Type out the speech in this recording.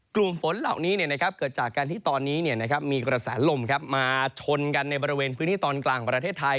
กลุ่มฝนเหล่านี้เนี่ยนะครับเกิดจากการที่ตอนนี้เนี่ยนะครับมีกระแสลมลมมาชนกันในบริเวณพื้นที่ตอนกลางประเทศไทย